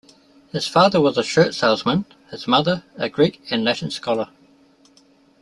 His father was a shirt salesman, his mother a Greek and Latin scholar.